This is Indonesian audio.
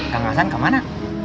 kak masan kemana